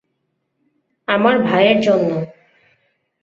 আমার ভাইয়ের জন্য!